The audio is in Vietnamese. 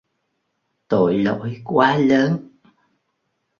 tội lỗi quá lớn